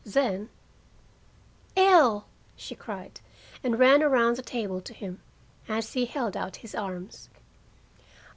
Then: "Ell!" she cried, and ran around the table to him, as he held out his arms.